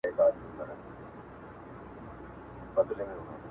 خوشدل تختي خيل